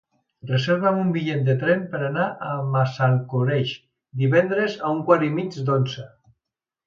Reserva'm un bitllet de tren per anar a Massalcoreig divendres a un quart i mig d'onze.